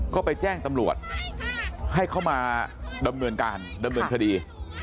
ก็ไปแจ้งตำรวจให้เขามาดำเนินการดำเนินคดี